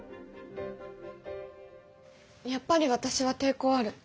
やっぱり私は抵抗ある。